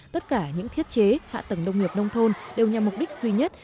tất cả những thiết chế hạ tầng nông nghiệp nông thôn đều nhằm mục đích duy nhất